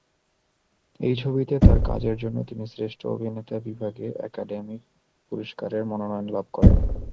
এই ছবিতে তার কাজের জন্য তিনি শ্রেষ্ঠ অভিনেতা বিভাগে একাডেমি পুরস্কারের মনোনয়ন লাভ করেন।